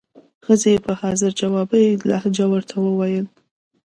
ښځې یې په حاضر جوابه لهجه ورته وویل.